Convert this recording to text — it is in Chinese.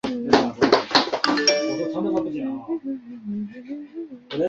一路超冷才对